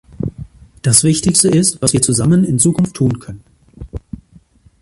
Das Wichtigste ist, was wir zusammen in Zukunft tun können.